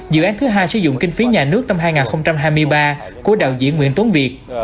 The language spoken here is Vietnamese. dự án thứ hai sử dụng kinh phí nhà nước năm hai nghìn hai mươi ba của đạo diễn nguyễn tốn việt